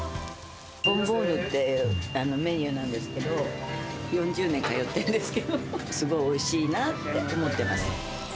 ボンボーヌっていうメニューなんですけど、４０年通ってんですけど、すごいおいしいなって思ってます。